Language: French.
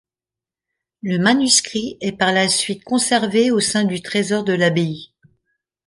Le manuscrit est par la suite conservé au sein du trésor de l'abbaye.